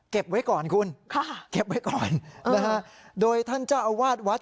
เก็บไว้ก่อนคุณนะฮะโดยท่านเจ้าอาวาสวัด